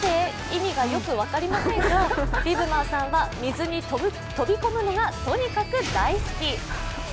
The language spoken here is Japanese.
意味がよく分かりませんが、ヴィブマーさんは水に飛び込むのがとにかく大好き。